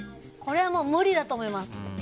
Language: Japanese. これはもう無理だと思います。